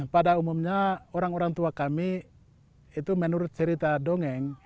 pada umumnya orang orang tua kami itu menurut cerita dongeng